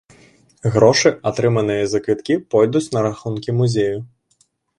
Грошы, атрыманыя за квіткі, пойдуць на рахункі музею.